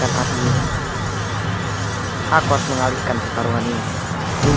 aku harus mengalihkan pertarungan ini